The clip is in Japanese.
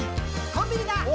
「コンビニだ！